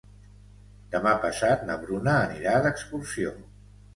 Demà passat na Bruna anirà d'excursió.